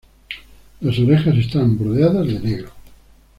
Las orejas están bordeadas de negro.